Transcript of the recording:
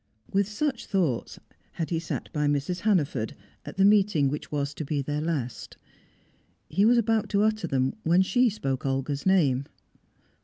With such thoughts had he sat by Mrs. Hannaford, at the meeting which was to be their last. He was about to utter them, when she spoke Olga's name.